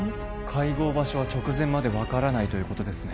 会合場所は直前まで分からないということですね